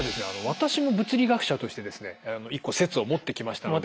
私も物理学者としてですね１個説を持ってきましたので。